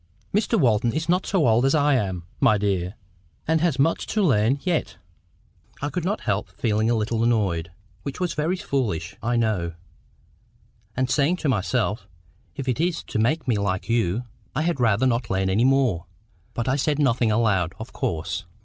"Mr Walton is not so old as I am, my dear, and has much to learn yet." I could not help feeling a little annoyed, (which was very foolish, I know,) and saying to myself, "If it's to make me like you, I had rather not learn any more;" but I said nothing aloud, of course.